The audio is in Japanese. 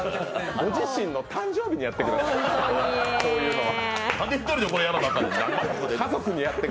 ご自身の誕生日にやってください、こういうのは。